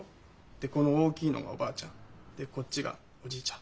でこの大きいのがおばあちゃん。でこっちがおじいちゃん。